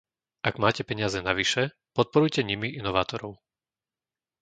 Ak máte peniaze navyše, podporujte nimi inovátorov.